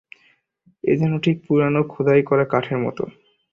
এ যেন ঠিক পুরনো খোদাই করা কাঠের মতো।